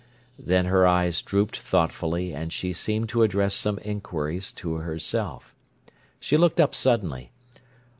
Then her eyes drooped thoughtfully, and she seemed to address some inquiries to herself. She looked up suddenly.